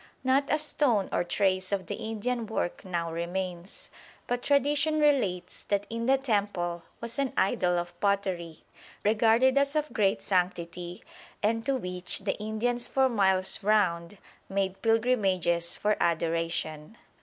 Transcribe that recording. Not a stone or trace of the Indian work now remains, but tradition relates that in the temple was an idol of pottery, regarded as of great sanctity and to which the Indians for miles round made pilgrimages for adoration.